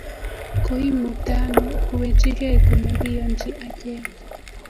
Koimuktaano kuwejikei komakiyanji achek